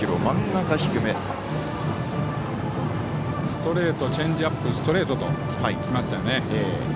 ストレートチェンジアップストレートときましたよね。